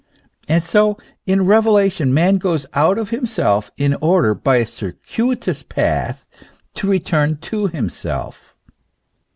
And so in revelation man goes out of himself, in order, by a circuitous path, to return to himself!